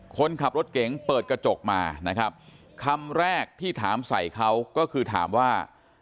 คนขับรถเก๋งเปิดกระจกมานะครับคำแรกที่ถามใส่เขาก็คือถามว่า